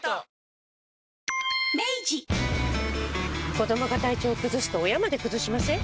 子どもが体調崩すと親まで崩しません？